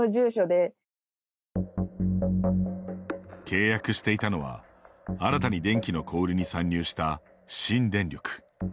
契約していたのは、新たに電気の小売りに参入した新電力。